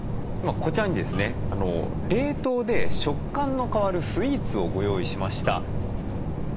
こちらにですね冷凍で食感の変わるスイーツをご用意しました。